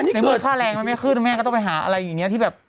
ในเมื่อค่าแรงมันไม่ขึ้นแม่ก็ต้องไปหาอะไรอย่างนี้ที่แบบ